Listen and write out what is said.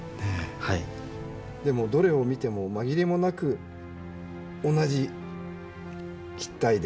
でもどれを見ても紛れもなく同じ筆体で。